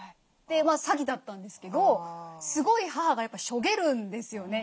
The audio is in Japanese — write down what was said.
まあ詐欺だったんですけどすごい母がしょげるんですよね